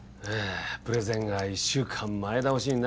プレゼンが１週間前倒しになるなんてね。